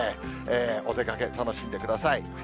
お出かけ、楽しんでください。